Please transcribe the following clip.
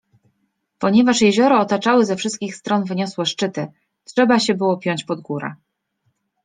Ponieważ jezioro otaczały ze wszystkich stron wyniosłe szczyty, trzeba się było piąć pod górę.